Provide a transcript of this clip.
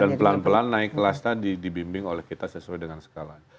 dan pelan pelan naik kelas tadi dibimbing oleh kita sesuai dengan skalanya